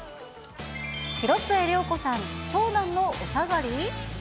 広末涼子さん、長男のお下がり？